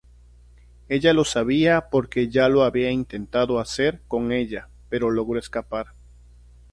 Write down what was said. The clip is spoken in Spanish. Ella lo sabía porque ya lo habían intentado hacer con ella pero logró escapar.